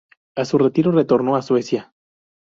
A su retiro retorno a Suecia.